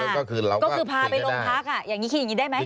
ก็คือพาไปลงพักคืออย่างนี้ได้ไหม